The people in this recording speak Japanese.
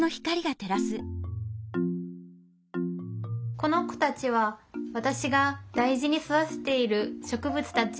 この子たちは私が大事に育てている植物たち。